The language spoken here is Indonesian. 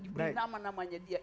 diberi nama namanya dia